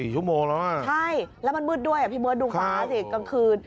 ๔ชั่วโมงแล้วน่ะใช่แล้วมันมืดด้วยอ่ะพี่เมิดดูขวาสิตอนคืน